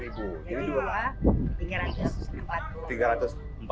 jadi dulu lah rp tiga ratus empat puluh